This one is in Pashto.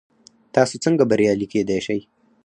تاسو څنګه بریالي کیدی شئ؟